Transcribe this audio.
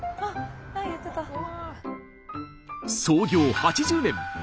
創業８０年！